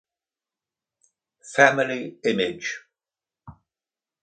Family image.